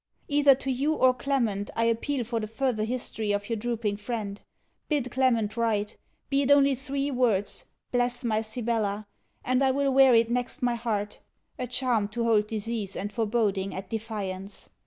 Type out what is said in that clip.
Either to you or Clement I appeal for the further history of your drooping friend. Bid Clement write: be it only three words, 'Bless my Sibella;' and I will wear it next my heart a charm to hold disease and foreboding at defiance.